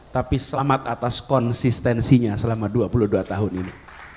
tapi selamat atas konsistensinya selama dua puluh dua tahun ini